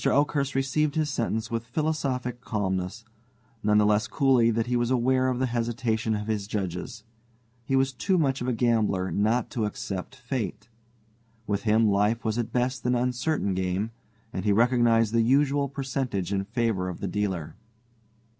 Oakhurst received his sentence with philosophic calmness, none the less coolly that he was aware of the hesitation of his judges. He was too much of a gambler not to accept Fate. With him life was at best an uncertain game, and he recognized the usual percentage in favor of the dealer.